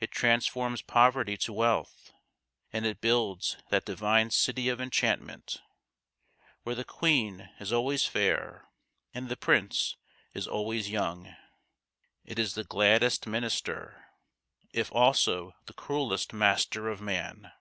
It transforms poverty to wealth ; and it builds that divine City of Enchantment where the queen is always fair and the prince is always young. It is the gladdest minister, if also the cruellest master of man.